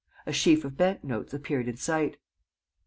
A sheaf of bank notes appeared in sight.